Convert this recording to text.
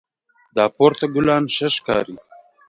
دا پورته ګلان ښه ښکاري